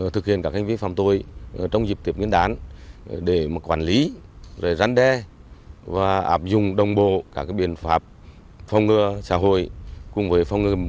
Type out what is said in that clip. tổng hợp chín mươi tám gói ma túy tổng hợp dạng nước vui